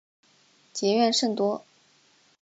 结怨甚多。